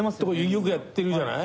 よくやってるじゃない？